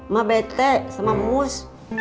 ma bete sama mus